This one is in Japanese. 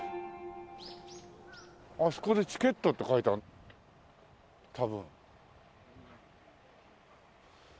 あそこでチケットって書いてある多分。